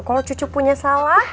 kalau cucu punya salah